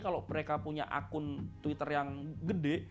kalau mereka punya akun twitter yang gede